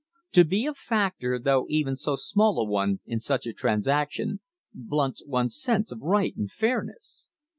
To be a factor, though even so small a one, in such a transaction, blunts one's sense of right and fairness.